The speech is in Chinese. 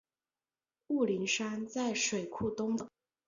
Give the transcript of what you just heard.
雾灵山在水库东侧。